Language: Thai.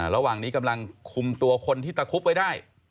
ระหว่างนี้กำลังคุมตัวคนที่ตะคุบไว้ได้